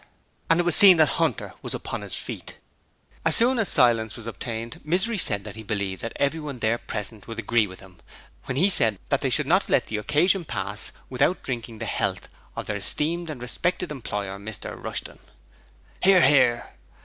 and it was seen that Hunter was upon his feet. As soon as silence was obtained, Misery said that he believed that everyone there present would agree with him, when he said that they should not let the occasion pass without drinking the 'ealth of their esteemed and respected employer, Mr Rushton. (Hear, hear.)